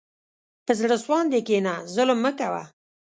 په زړه سواندي کښېنه، ظلم مه کوه.